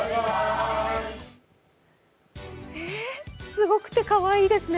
すごくて、かわいいですね。